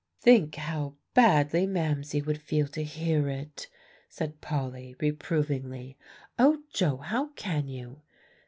"Think how badly Mamsie would feel to hear it," said Polly reprovingly. "O Joe! how can you?"